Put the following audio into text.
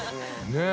◆ねえ。